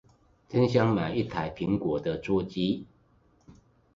真想買一台蘋果的桌機